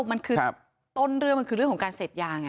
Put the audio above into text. มันคือต้นเรื่องมันคือเรื่องของการเสพยาไง